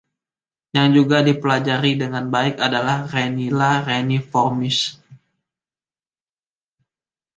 Yang juga dipelajari dengan baik adalah "Renilla reniformis".